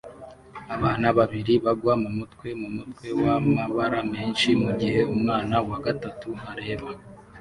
Abana babiri bagwa mumutwe mumutwe wamabara menshi mugihe umwana wa gatatu areba